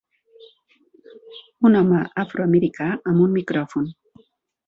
Un home afroamericà amb un micròfon